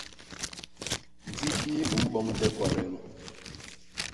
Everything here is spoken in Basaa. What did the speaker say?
Ndi kii u mboñde kwade nu.